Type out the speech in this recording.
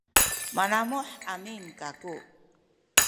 manamuh amin kaku